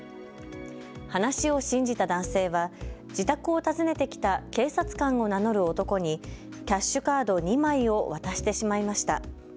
話を信じた男性は自宅を訪ねてきた警察官を名乗る男にキャッシュカード２枚を渡してしまいました。